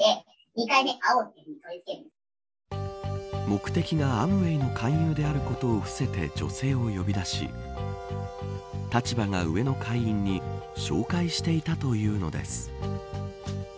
目的がアムウェイの勧誘であることを伏せて女性を呼び出し立場が上の会員に紹介していたというのです。